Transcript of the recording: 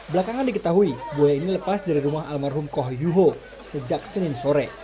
belakangan diketahui buaya ini lepas dari rumah almarhum koh yuho sejak senin sore